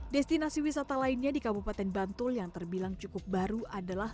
destinasi wisata lainnya di kabupaten bantul yang terbilang cukup baru adalah